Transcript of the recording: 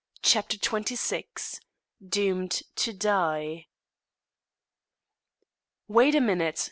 CHAPTER XXVI DOOMED TO DIE "Wait a minute!"